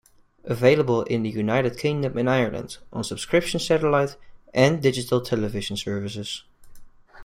Available in the United Kingdom and Ireland on subscription satellite and digital television services.